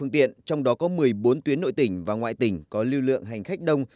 tiện trong đó có một mươi bốn tuyến nội tỉnh và ngoại tỉnh có lưu lượng hành khách đông